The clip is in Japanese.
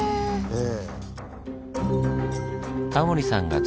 ええ。